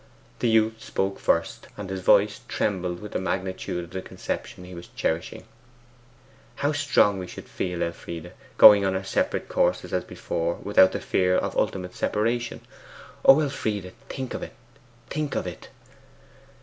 The youth spoke first, and his voice trembled with the magnitude of the conception he was cherishing. 'How strong we should feel, Elfride! going on our separate courses as before, without the fear of ultimate separation! O Elfride! think of it; think of it!